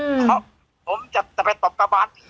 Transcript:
อืมเขาลงจากมาละพี่